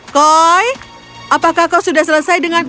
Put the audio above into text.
koi apakah kau sudah selesai dengan